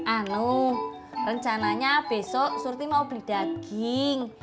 anu rencananya besok surti mau beli daging